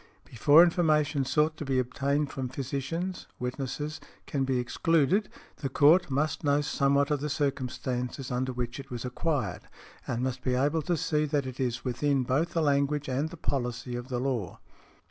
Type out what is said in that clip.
"Before information sought to be obtained from physicians, witnesses, can be excluded the court must know somewhat of the circumstances under which it was acquired, and must be able to see that it is within both the language and the policy of the law" .